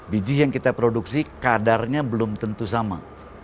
biji yang kita produksi kadarnya belum tentu sama